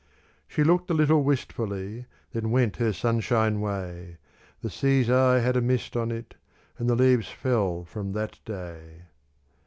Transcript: She looked a little wistfully, Then went her sunshine way: The sea's eye had a mist on it, And the leaves fell from the day.